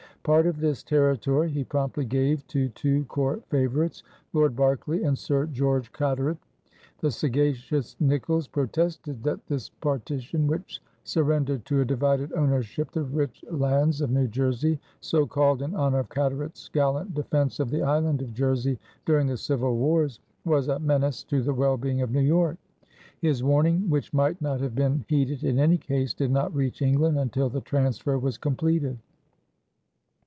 Part of this territory he promptly gave to two court favorites, Lord Berkeley and Sir George Carteret. The sagacious Nicolls protested that this partition which surrendered to a divided ownership the rich lands of New Jersey so called in honor of Carteret's gallant defense of the Island of Jersey during the Civil Wars was a menace to the well being of New York. His warning, which might not have been heeded in any case, did not reach England until the transfer was completed.